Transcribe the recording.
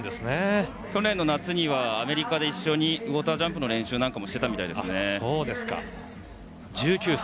去年の夏にはアメリカで一緒にウォータージャンプの練習をしていたみたいですね。